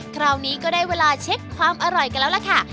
คราวนี้ก็ได้เวลาเช็คความอร่อยกันแล้วล่ะค่ะ